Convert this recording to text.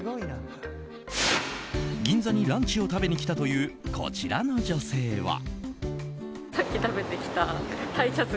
銀座にランチを食べに来たというこちらの女性は。